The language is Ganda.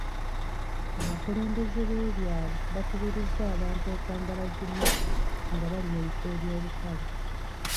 Abakulembeze b'ebyalo bakubirizza abantu okwambala zi masiki nga bali mu bifo eby'olukale.